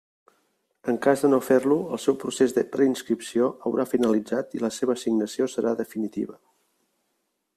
En cas de no fer-lo, el seu procés de preinscripció haurà finalitzat i la seva assignació serà definitiva.